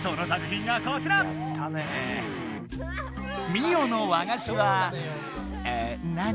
ミオの和菓子はえ何？